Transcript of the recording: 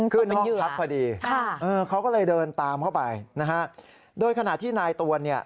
เข้ามาขึ้นห้องทัพพอดีโดยไกลทีนายตัวเนี่ย